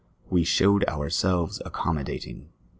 We showed ourselves accommodating.